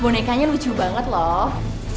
bonekanya lucu banget loh